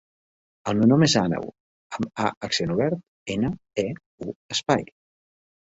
El meu nom és Àneu : a amb accent obert, ena, e, u, espai.